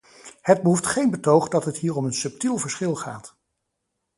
Het behoeft geen betoog dat het hier om een subtiel verschil gaat.